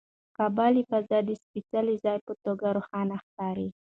کعبه له فضا د سپېڅلي ځای په توګه روښانه ښکاري.